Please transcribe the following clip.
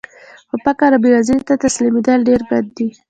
خو فقر او بېوزلۍ ته تسلیمېدل ډېر بد دي